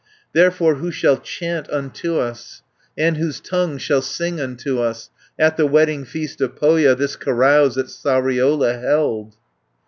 "Therefore who shall chant unto us, And whose tongue shall sing unto us, At the wedding feast of Pohja, This carouse at Sariola held?